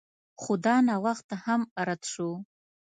خو دا نوښت هم رد شو